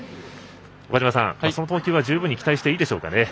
岡島さん、その投球は十分に期待していいでしょうか。